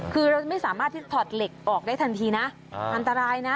คือเราไม่สามารถที่ถอดเหล็กออกได้ทันทีนะอันตรายนะ